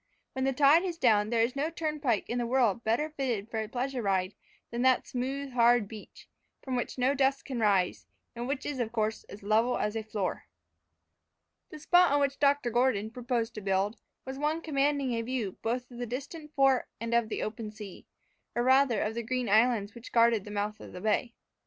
When the tide is down there is no turnpike in the world better fitted for a pleasure ride than that smooth hard beach, from which no dust can rise, and which is of course as level as a floor. The spot on which Dr. Gordon proposed to build, was one commanding a view both of the distant fort and of the open sea, or rather of the green islands which guarded the mouth of the bay.